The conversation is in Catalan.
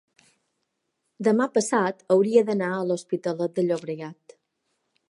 demà passat hauria d'anar a l'Hospitalet de Llobregat.